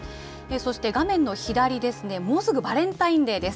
そして、画面の左ですね、もうすぐバレンタインデーです。